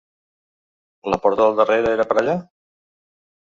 La porta del darrere era per allà?